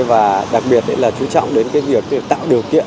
và đặc biệt là chú trọng đến cái việc tạo điều kiện